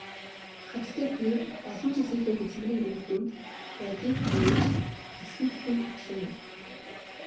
Хатагтай Кюре олон жилийнхээ хөдөлмөрийн үр дүнд радийг нээж дэлхий дахинд өгсөн юм.